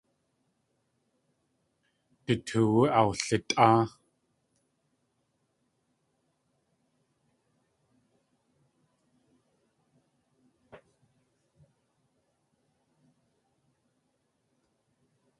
Du toowú awlitʼáa.